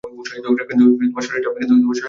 কিন্তু শরীরটা দিলে বাধা।